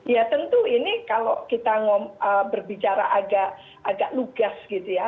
ya tentu ini kalau kita berbicara agak lugas gitu ya